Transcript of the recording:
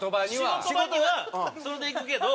仕事場にはそれで行くけど。